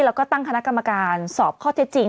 แล้วก็ตั้งคณะกรรมการสอบข้อเท็จจริง